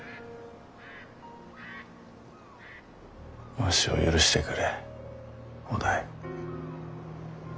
わしを許してくれ於大。